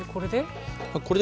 これで。